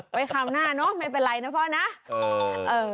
นะฮะไว้คาวหน้าเนอะไม่เป็นไรนะพ่อนะเออ